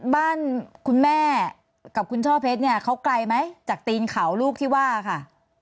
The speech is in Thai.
บ้านคุณแม่กับคุณช่อเพชรเนี่ยเขาไกลไหมจากตีนเขาลูกที่ว่าค่ะ